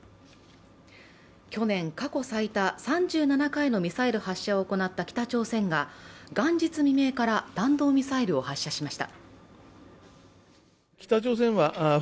去年、過去最多３７回のミサイル発射を行った北朝鮮が元日未明から弾道ミサイルを発射しました。